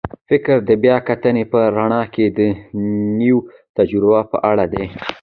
فکر د بیا کتنې په رڼا کې د نویو تجربو په اړه دی.